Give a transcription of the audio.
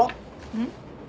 うん？